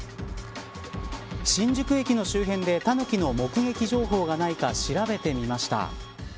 新宿駅の周辺でタヌキの目撃情報がないか調べてみました。